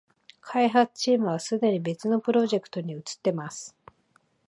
開発チームはすでに別のプロジェクトに移ってます